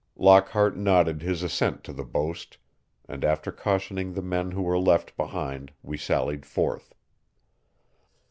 Lockhart nodded his assent to the boast, and after cautioning the men who were left behind we sallied forth.